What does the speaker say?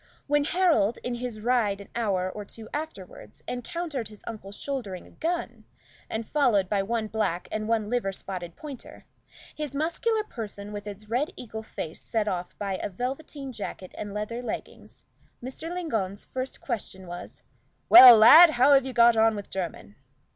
When Harold, in his ride an hour or two afterward, encountered his uncle shouldering a gun, and followed by one black and one liver spotted pointer, his muscular person with its red eagle face set off by a velveteen jacket and leather leggings, Mr. Lingon's first question was "Well, lad, how have you got on with Jermyn?"